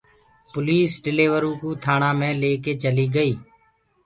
پوليٚس ڊليورو ڪو ٿآڻآ مي ليڪي چليٚ گئيٚ